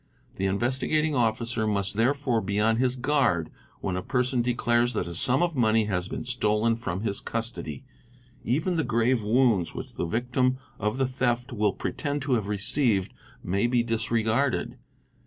The Investigating Officer must therefore be on his guard when a person declares that a sum of money has been stolen from his custody, even the grave wounds which the victim of the theft will pretend to have received may be disregarded.